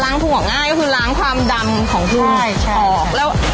ล้างยังไงครับ